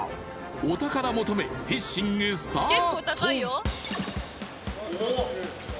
お宝求めフィッシングスタート